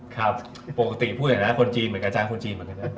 ครับปกติพูดอย่างนั้นคนจีนเหมือนกันอาจารย์คนจีนเหมือนกันนะ